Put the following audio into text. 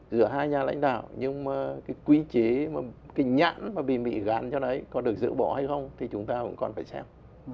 giữa hai nhà lãnh đạo nhưng mà cái quy chế mà cái nhãn mà bị mỹ gắn cho đấy có được giữ bỏ hay không thì chúng ta cũng còn phải xem